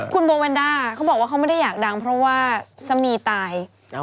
คุณโบวันด้าเขาบอกว่าเขาไม่ได้อยากดังเพราะว่าสามีตาย